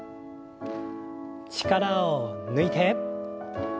力を抜いて。